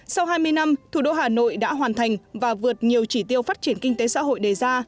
sau hai mươi năm thủ đô hà nội đã hoàn thành và vượt nhiều chỉ tiêu phát triển kinh tế xã hội đề ra